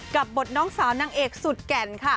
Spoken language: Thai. กับบทน้องสาวนางเอกสุดแก่นค่ะ